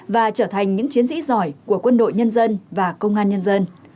và trở thành những chiến sĩ giỏi của quân đội nhân dân và công an nhân dân